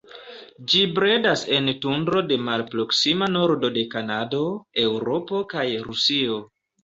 Ĝi bredas en tundro de malproksima nordo de Kanado, Eŭropo kaj Rusio.